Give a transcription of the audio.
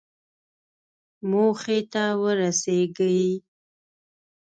موخې ته ورسېږئ